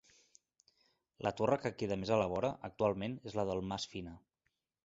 La torre que queda més a la vora, actualment, és la del Mas Fina.